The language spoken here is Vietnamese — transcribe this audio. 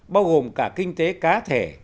bao gồm cả kinh tế cá thể